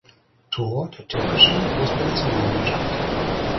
Tor der türkischen Fußballnationalmannschaft.